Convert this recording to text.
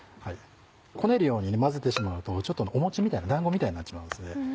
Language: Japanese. こねるように混ぜてしまうとお餅みたいに団子みたいになってしまいますんで。